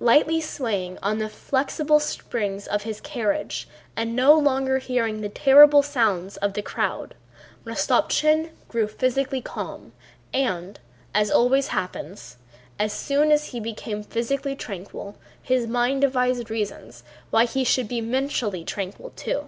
Lightly swaying on the flexible springs of his carriage and no longer hearing the terrible sounds of the crowd, Rostopchín grew physically calm and, as always happens, as soon as he became physically tranquil his mind devised reasons why he should be mentally tranquil too.